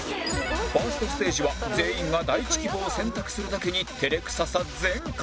１ｓｔ ステージは全員が第１希望を選択するだけに照れくささ全開